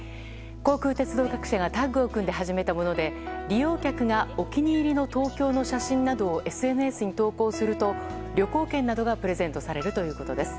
航空・鉄道各社がタッグを組んで始めたもので利用客がお気に入りの東京の写真などをＳＮＳに投稿すると旅行券などがプレゼントされるということです。